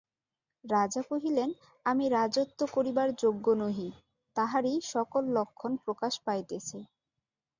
রাজা কহিলেন, আমি রাজত্ব করিবার যোগ্য নহি, তাহারই সকল লক্ষণ প্রকাশ পাইতেছে।